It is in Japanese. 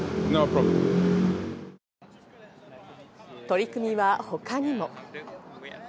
取り組みは他にも。